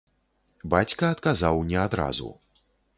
Бацька адказаў не адразу.